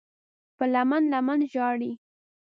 په لمن، لمن ژړلي